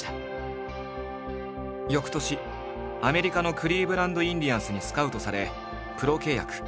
翌年アメリカのクリーブランド・インディアンスにスカウトされプロ契約。